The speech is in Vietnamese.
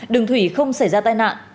đường thủy không xảy ra tai nạn